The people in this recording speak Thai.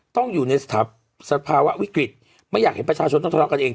ต้องอยู่ในสถาบันธุ์สภาวะวิกฤติไม่อยากเห็นประชาชนต้องทดลองกันเอง